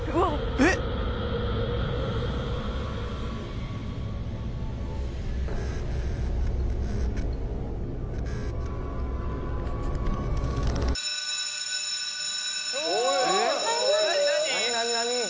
えっ何？